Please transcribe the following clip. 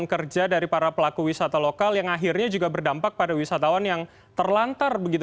kerja dari para pelaku wisata lokal yang akhirnya juga berdampak pada wisatawan yang terlantar begitu